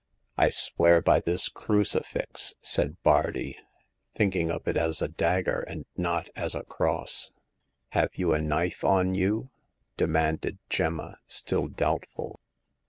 " I swear by this crucifix !" said Bardi, think ing of it as a dagger and not as a cross. Have you a knife on you ?" demanded Gemma, still doubtful.